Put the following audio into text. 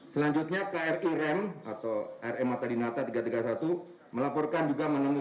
selanjutnya kri rem atau rm matadinata tiga ratus tiga puluh satu melaporkan juga menemukan